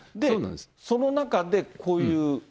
その中でこういう。